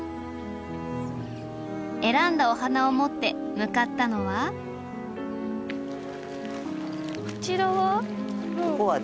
選んだお花を持って向かったのはこちらは？